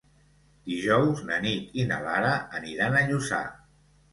Dijous na Nit i na Lara aniran a Lluçà.